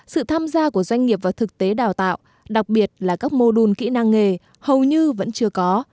sự tham gia của doanh nghiệp vào thực tế đào tạo đặc biệt là các mô đun kỹ năng nghề hầu như vẫn chưa có